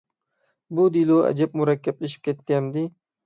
بۇ دېلو ئەجەب مۇرەككەپلىشىپ كەتتى ئەمدى.